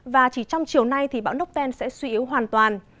và chỉ trong chiều nay bão nốc ven sẽ suy yếu hoàn toàn